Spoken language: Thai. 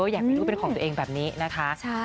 อยากให้นักปู๊ดเป็นของตัวเองแบบนี้นะคะ